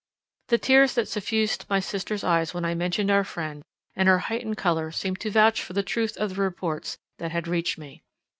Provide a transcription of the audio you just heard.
The tears that suffused my sister's eyes when I mentioned our friend, and her heightened colour seemed to vouch for the truth of the reports that had reached me.